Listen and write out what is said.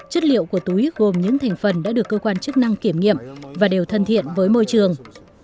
chất liệu của túi gồm những thành phần đã được cơ quan chức năng kiểm nghiệm và đều thân thiện với môi trường